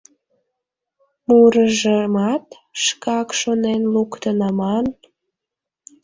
Мурыжымат шкак шонен луктын аман...